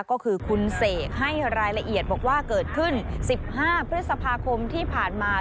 ก็คือคุณเสกให้รายละเอียดบอกว่าเกิดขึ้น๑๕พฤษภาคมที่ผ่านมา